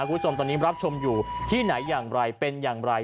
คุณผู้ชมตอนนี้รับชมอยู่ที่ไหนอย่างไรเป็นอย่างไร